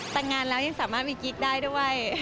แต่งงานแล้วยังสามารถมีกิ๊กได้ด้วย